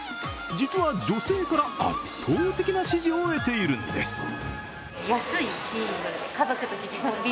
実は女性から圧倒的な支持を得ているんです。